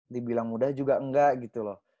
dibilang mudah juga enggak gitu loh